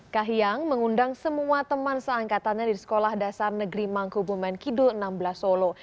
kahiyang mengundang semua teman seangkatannya di sekolah dasar negeri mangkubumen kidul enam belas solo